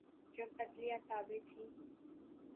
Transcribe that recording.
جب عدلیہ تابع تھی۔